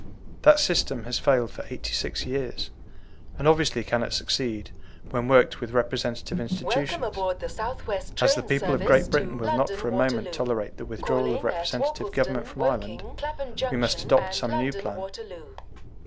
That system has failed for eighty six years, and obviously cannot succeed when worked with representative institutions. As the people of Great Britain will not for a moment tolerate the withdrawal of representative government from Ireland, we must adopt some new plan.